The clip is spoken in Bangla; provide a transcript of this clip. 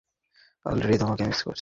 অলরেডি তোমাকে মিস করছি!